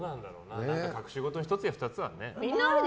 隠し事の１つや２つはね。